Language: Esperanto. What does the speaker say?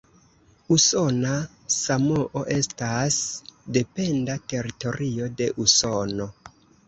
Usona Samoo estas dependa teritorio de Usono.